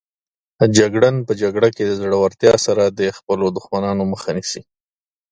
جګړن په جګړه کې د زړورتیا سره د خپلو دښمنانو مخه نیسي.